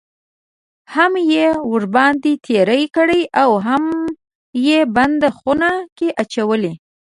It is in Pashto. هم یې ورباندې تېری کړی اوهم یې بند خونه کې اچولی.